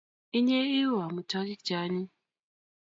Inye ii u amitwogik che anyiny